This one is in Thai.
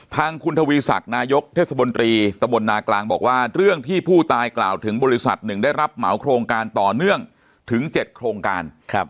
ทางคุณทวีศักดิ์นายกเทศบนตรีตะบลนากลางบอกว่าเรื่องที่ผู้ตายกล่าวถึงบริษัทหนึ่งได้รับเหมาโครงการต่อเนื่องถึง๗โครงการ